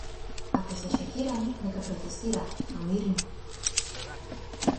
Ако се шокирани, нека протестираат, но мирно.